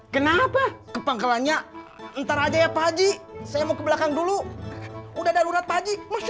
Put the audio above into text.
kenapa kepangkalannya ntar aja ya pak haji saya mau ke belakang dulu udah darurat pak haji masya